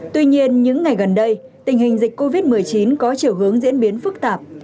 tuy nhiên những ngày gần đây tình hình dịch covid một mươi chín có chiều hướng diễn biến phức tạp